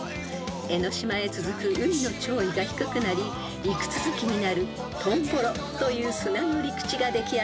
［江の島へ続く海の潮位が低くなり陸続きになるトンボロという砂の陸地が出来上がります］